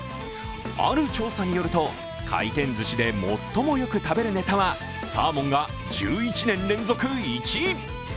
ある調査によると回転ずしで最もよく食べるネタはサーモンが１１年連続１位。